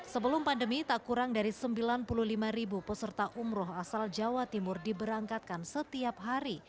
sebelum pandemi tak kurang dari sembilan puluh lima ribu peserta umroh asal jawa timur diberangkatkan setiap hari